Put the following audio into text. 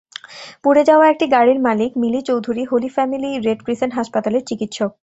পুড়ে যাওয়া একটি গাড়ির মালিক Mili Chowdhury Holy Family Red Crescent হাসপাতালের চিকিৎসক।